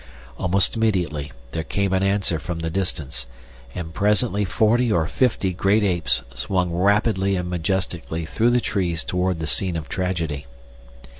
Almost immediately there came an answer from the distance, and presently forty or fifty great apes swung rapidly and majestically through the trees toward the scene of tragedy.